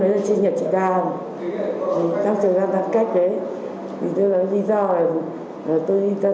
thế nhưng tội phạm ma túy vẫn tìm mọi cách để hoạt động